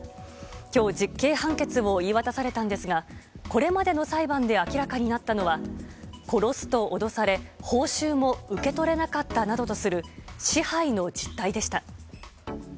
今日、実刑判決を言い渡されたんですがこれまでの裁判で明らかになったのは殺すと脅され報酬も受け取らなかったなどとする支配の実態でした。